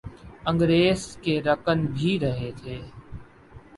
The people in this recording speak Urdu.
انگریس کے رکن بھی رہے تھے